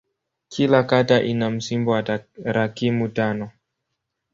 Kila kata ina msimbo wa tarakimu tano.